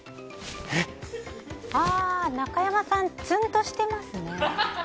ああ、中山さんツンとしてますね。